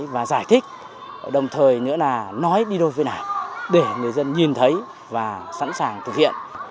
và giải thích đồng thời nữa là nói đi đôi phía nào để người dân nhìn thấy và sẵn sàng thực hiện